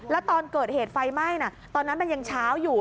แล้วตอนเกิดเหตุไฟไหม้ตอนนั้นมันยังเช้าอยู่